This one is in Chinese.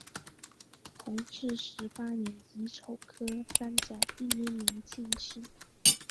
弘治十八年乙丑科三甲第一名进士。